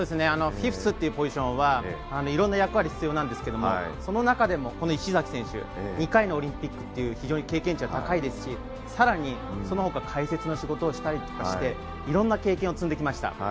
フィフスというポジションはいろんな役割が必要なんですけどもその中でも石崎選手は２回のオリンピックという非常に経験値が高いですし更に、その他解説の仕事をしたりとかしていろんな経験を積んできました。